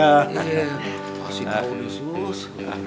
oh sih sus